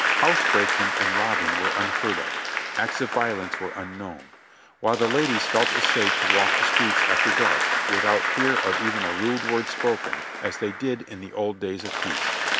House breaking and robbing were unheard of; acts of violence were unknown ; while the ladies felt as safe to walk the streets after dark, without fear of even a rude word spoken, as they did in the old days of peace.